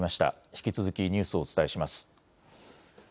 引き続きニュースをお伝えします。